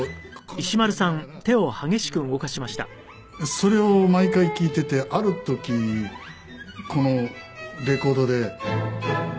それを毎回聴いててある時このレコードで。